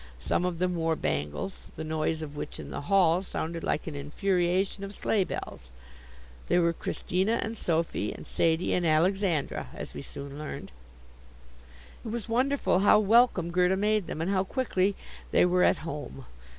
Some of them wore bangles, the noise of which, in the hall, sounded like an infuriation of sleigh bells. They were Christina and Sophie and Sadie and Alexandra as we soon learned. It was wonderful how welcome Gerda made them, and how quickly they were "at home."